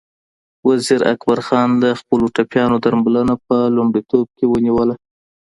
وزیر اکبر خان د خپلو ټپيانو درملنه په لومړیتوب کې ونیوله.